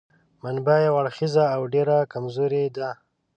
منبع یو اړخیزه او ډېره کمزورې ده.